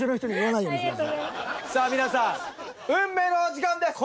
さあ皆さん運命のお時間です。